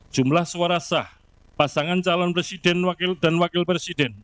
jumlah suara sah pasangan calon presiden dan wakil presiden